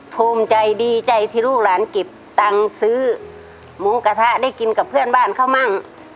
ภูมิใจดีใจที่ลูกหลานเก็บตังค์ซื้อหมูกระทะได้กินกับเพื่อนบ้านเขามั่ง